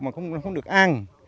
mà cũng không được ăn